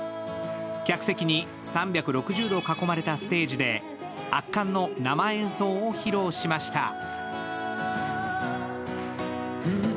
客席に３６０度囲まれたステージで圧巻の生演奏を披露しました。